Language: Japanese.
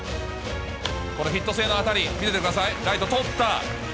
このヒット性の当たり、見ててください、ライト捕った。